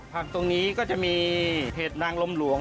ผักตรงนี้ก็จะมีเห็ดนางลมหลวง